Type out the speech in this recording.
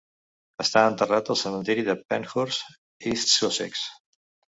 Està enterrat al cementiri de Penhurst, East Sussex.